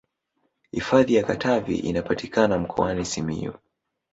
hifadhi ya katavi inapatikana mkoani simiyu